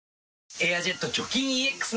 「エアジェット除菌ＥＸ」